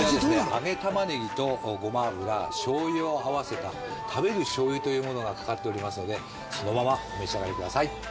揚げ玉ネギとごま油醤油を合わせた食べる醤油というものがかかっておりますのでそのままお召し上がりください。